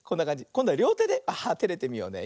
こんどはりょうてでテレてみようね。